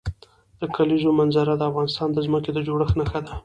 د کلیزو منظره د افغانستان د ځمکې د جوړښت نښه ده.